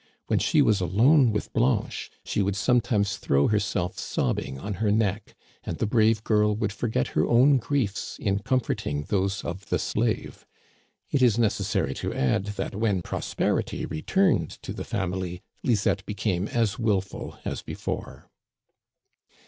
When she was alone with Blanche she would sometimes throw herself sobbing on her neck, and the brave girl would forget her own griefs in comforting those of the slave. It is necessary to add that when prosperity returned to the family Lisette became as willful as before.